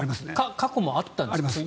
過去もあったんですか？